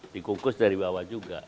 dikukus dari bawah juga